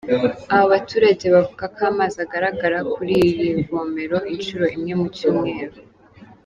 Aba baturage bavuga ko amazi agaragara kuri iri vomero inshuro imwe mu cyumweru.